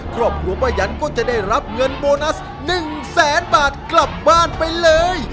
ครอบครัวป้ายันก็จะได้รับเงินโบนัส๑แสนบาทกลับบ้านไปเลย